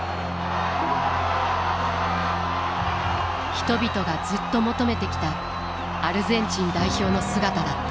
人々がずっと求めてきたアルゼンチン代表の姿だった。